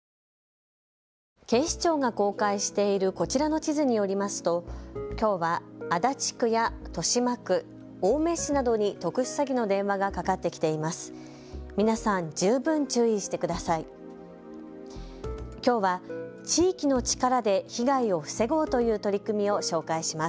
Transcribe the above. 警視庁が公開しているこちらの地図によりますときょうは足立区や豊島区、青梅市などに特殊詐欺の電話がかかってきています。